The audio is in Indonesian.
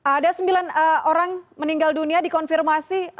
ada sembilan orang meninggal dunia dikonfirmasi